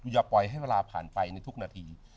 อย่าปล่อยให้เวลาผ่านไปในทุกนาที